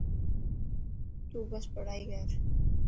تون بس پڙهائي ڪر.